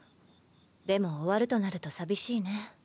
でも終わるとなると寂しいね。